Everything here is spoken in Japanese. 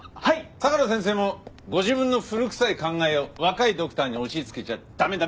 相良先生もご自分の古臭い考えを若いドクターに押しつけちゃ駄目駄目！